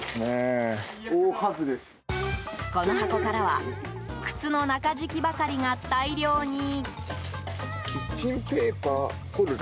この箱からは靴の中敷きばかりが大量に。